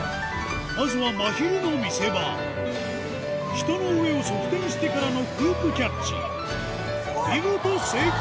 まずはまひるの見せ場人の上を側転してからのフープキャッチ見事成功！